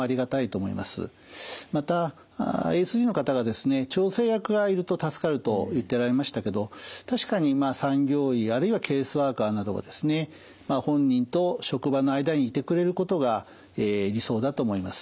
またＡＳＤの方がですね調整役がいると助かると言っておられましたけど確かに産業医あるいはケースワーカーなどがですね本人と職場の間にいてくれることが理想だと思います。